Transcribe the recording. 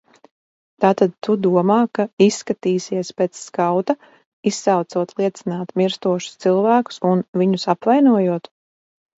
Tātad tu domā, ka izskatīsies pēc skauta, izsaucot liecināt mirstošus cilvēkus un viņus apvainojot?